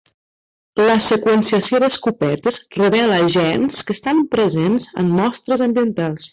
La seqüenciació d'escopetes revela gens que estan presents en mostres ambientals.